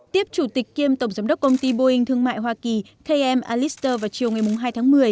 tiếp chủ tịch kiêm tổng giám đốc công ty boeing thương mại hoa kỳ km alester vào chiều ngày hai tháng một mươi